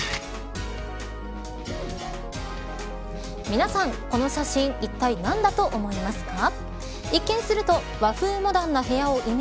皆さん、この写真いったい何だと思いますか。